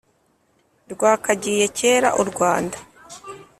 rwakagiye kera u rwanda